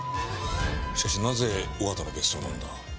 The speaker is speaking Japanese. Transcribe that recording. しかしなぜ小形の別荘なんだ？